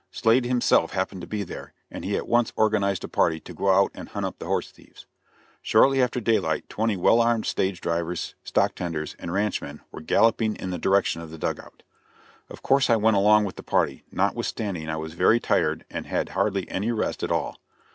Slade himself happened to be there, and he at once organized a party to go out and hunt up the horse thieves. Shortly after daylight twenty well armed stage drivers, stock tenders and ranchmen were galloping in the direction of the dug out. Of course I went along with the party, notwithstanding I was very tired and had had hardly any rest at all.